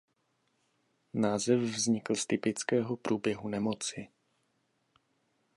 Název vznikl z typického průběhu nemoci.